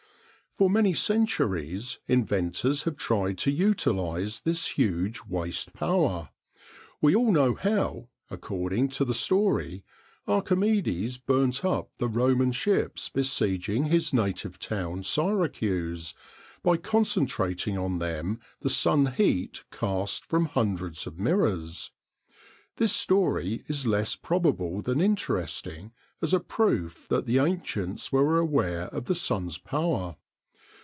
For many centuries inventors have tried to utilise this huge waste power. We all know how, according to the story, Archimedes burnt up the Roman ships besieging his native town, Syracuse, by concentrating on them the sun heat cast from hundreds of mirrors. This story is less probable than interesting as a proof that the ancients were aware of the sun's power.